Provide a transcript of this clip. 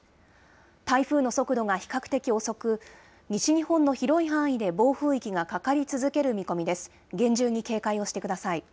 台風の速度が比較的遅く、西日本の広い範囲で暴風域がかかり続ける見込みです。